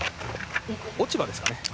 落ち葉ですかね。